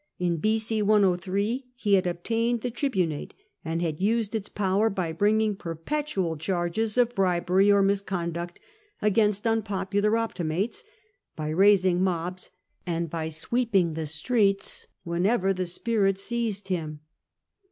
In b.g. 103 he had obtained the tri bunate, and had used its powers by bringing perpetual charges of bribery or misconduct against unpopular Optimates, by raising mobs, and by sweeping the streets whenever the spirit seized him.